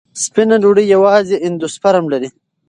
سپینه ډوډۍ یوازې اندوسپرم لري.